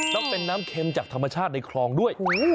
ต้องเป็นน้ำเค็มจากธรรมชาติในครองด้วยโอ้โห